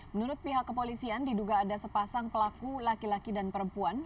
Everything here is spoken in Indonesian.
menurut pihak kepolisian diduga ada sepasang pelaku laki laki dan perempuan